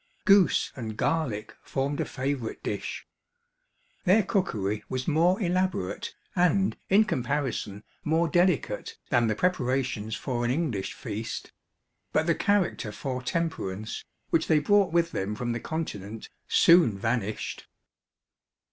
Goose and garlic formed a favourite dish. Their cookery was more elaborate, and, in comparison, more delicate, than the preparations for an English feast; but the character for temperance, which they brought with them from the continent, soon vanished.